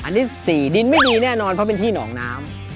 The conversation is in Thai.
อันนี้๔ดินไม่ดีแน่นอนเพราะเป็นที่หนองน้ำ